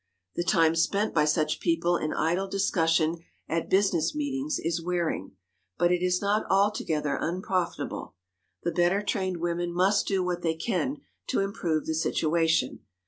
The time spent by such people in idle discussion at business meetings is wearing, but it is not altogether unprofitable. The better trained women must do what they can to improve the situation.